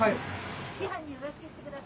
師範によろしく言って下さい。